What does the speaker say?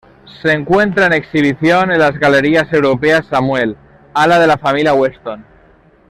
Se encuentra en exhibición en las Galerías europeas Samuel, ala de la familia Weston.